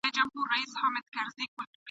ژوند به جهاني پر ورکه لار درڅخه وړی وي ..